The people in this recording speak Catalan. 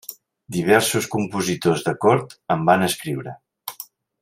Diversos compositors de cort en van escriure.